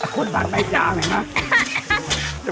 คุณผัดใบจามเห็นมั้ย